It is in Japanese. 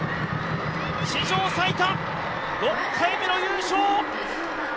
史上最多６回目の優勝！